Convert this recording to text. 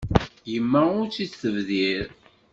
Yemma ur tt-id-tebdir.